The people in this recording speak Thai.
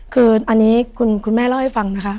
คืออันนี้คุณแม่เล่าให้ฟังนะคะ